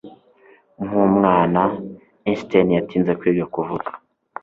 Nkumwana, Einstein yatinze kwiga kuvuga.